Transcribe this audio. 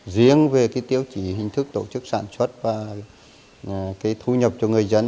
riêng về cái tiêu chí hình thức tổ chức sản xuất và cái thu nhập cho người dân